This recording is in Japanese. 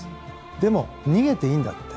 でも逃げていいんだって。